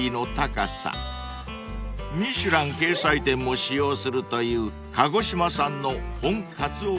［『ミシュラン』掲載店も使用するという］